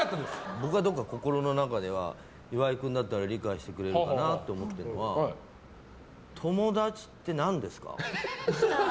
僕はどこか心の中では岩井君だったら理解してくれるかなと思ってるのが友達って何ですか？